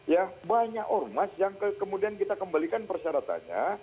ya banyak ormas yang kemudian kita kembalikan persyaratannya